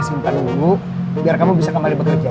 simpan dulu biar kamu bisa kembali bekerja